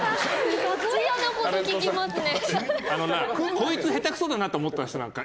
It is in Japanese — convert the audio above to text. こいつ下手くそだなと思った人って。